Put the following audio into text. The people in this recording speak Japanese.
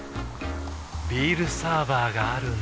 ビールサーバーがある夏。